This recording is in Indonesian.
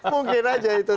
mungkin aja itu